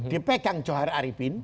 dipegang johar arifin